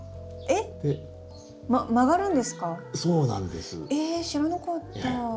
えっ知らなかった。